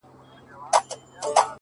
تر مخه ښې وروسته به هم تر ساعتو ولاړ وم;